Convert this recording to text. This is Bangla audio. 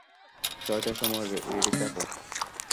ছয়টার সময় রেডি থেকো।